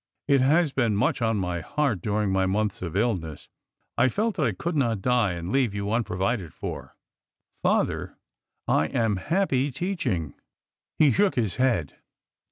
It has been much on my heart during my months of illness. I felt that I could not die and leave you unprovided for." Father, I am happy teaching." He shook his head.